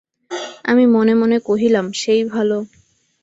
আমি মনে মনে কহিলাম, সেই ভালো।